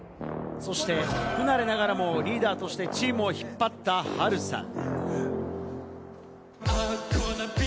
そして不慣れながらもリーダーとしてチームを引っ張っていたハルさん。